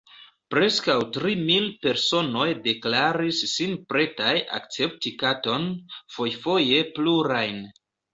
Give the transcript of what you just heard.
Preskaŭ tri mil personoj deklaris sin pretaj akcepti katon – fojfoje plurajn.